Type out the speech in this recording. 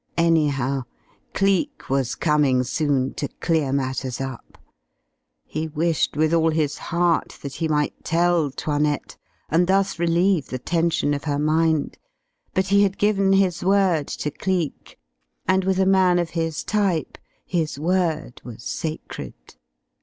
Anyhow, Cleek was coming soon to clear matters up. He wished with all his heart that he might tell 'Toinette, and thus relieve the tension of her mind, but he had given his word to Cleek, and with a man of his type his word was sacred.